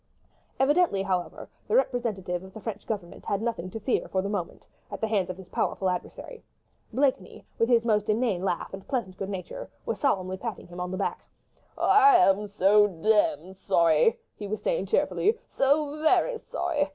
Evidently, however, the representative of the French Government had nothing to fear for the moment, at the hands of his powerful adversary. Blakeney, with his most inane laugh and pleasant good nature, was solemnly patting him on the back. "I am so demmed sorry ..." he was saying cheerfully, "so very sorry